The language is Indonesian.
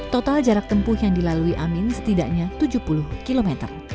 total jarak tempuh yang dilalui amin setidaknya tujuh puluh km